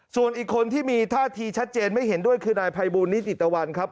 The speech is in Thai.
ส่วนอีกคนที่มีท่าทีชัดเจนไม่เห็นด้วยคือนายภัยบูลนิติตะวันครับ